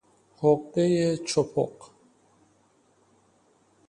حقهی چپق